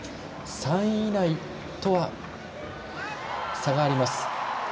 ３位以内とは差があります。